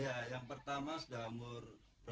ya yang pertama sudah umur